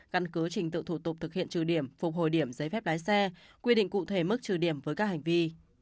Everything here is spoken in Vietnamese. căn cứ trình tự thủ tục thực hiện trừ điểm phục hồi điểm giấy phép lái xe quy định cụ thể mức trừ điểm với các hành vi